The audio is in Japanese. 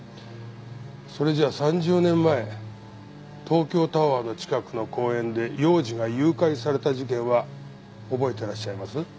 それじゃあ３０年前東京タワーの近くの公園で幼児が誘拐された事件は覚えてらっしゃいます？